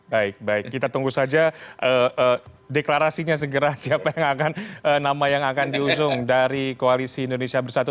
baik baik kita tunggu saja deklarasinya segera siapa yang akan nama yang akan diusung dari koalisi indonesia bersatu